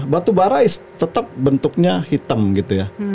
batubara tetap bentuknya hitam gitu ya